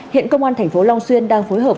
hiện công an tp long xuyên đang phối hợp